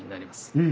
うん。